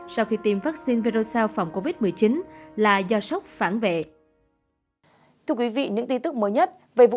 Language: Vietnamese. sau khi tiêm vaccine verocell phòng covid một mươi chín là do sóc phản vệ